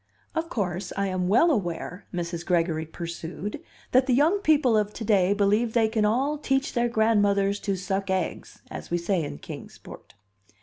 "Of course, I am well aware," Mrs. Gregory pursued, "that the young people of to day believe they can all 'teach their grandmothers to suck eggs,' as we say in Kings Port."